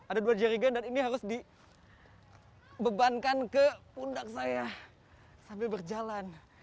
ada dua jerigen dan ini harus dibebankan ke pundak saya sambil berjalan